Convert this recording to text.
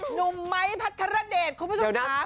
หนุ่มไมค์ภัทรเดชคุณผู้ชมครับ